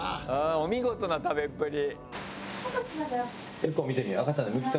お見事な食べっぷり。